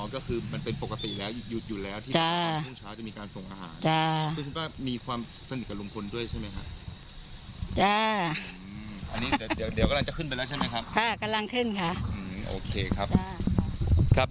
อ๋อก็คือมันเป็นปกติแล้วอยู่แล้วที่พรุ่งเช้าจะมีการส่งอาหาร